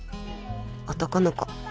［男の子］